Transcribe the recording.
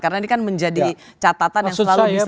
karena ini kan menjadi catatan yang selalu bisa dipungkinkan